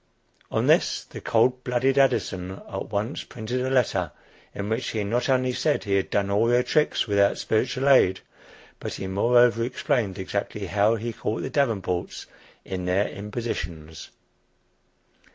On this the cold blooded Addison at once printed a letter, in which he not only said he had done all their tricks without spiritual aid, but he moreover explained exactly how he caught the Davenports in their impositions.